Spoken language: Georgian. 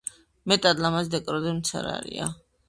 მეტად ლამაზი დეკორატიული მცენარეა.